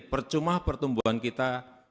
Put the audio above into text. percuma pertumbuhan kita